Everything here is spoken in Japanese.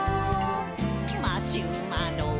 「マシュマロ？」